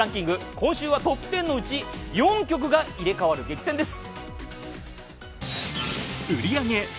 今週はトップ１０のうち４曲が入れ代わる激戦です。